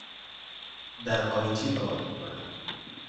در آی تی کار می کنم.